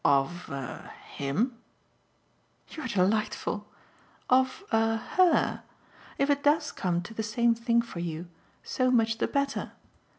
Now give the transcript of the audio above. "Of a HIM?" "You're delightful. Of a HER! If it does come to the same thing for you, so much the better.